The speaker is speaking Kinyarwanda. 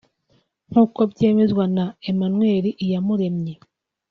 nk’uko byemezwa na Emmanuel Iyamurenye